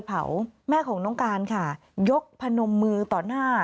เผาแม่ของน้องการค่ะยกพนมมือต่อหน้า